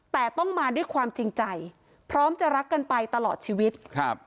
แต่ต้องมาด้วยความจริงใจพร้อมจะรักกันไปตลอดชีวิตครับ